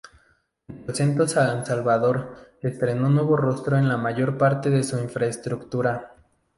Metrocentro San Salvador estreno nuevo rostro en la mayor parte de su infraestructura.